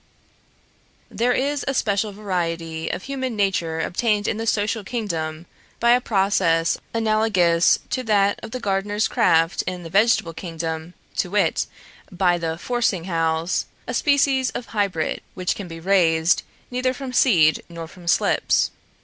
There is a special variety of human nature obtained in the Social Kingdom by a process analogous to that of the gardener's craft in the Vegetable Kingdom, to wit, by the forcing house a species of hybrid which can be raised neither from seed nor from slips.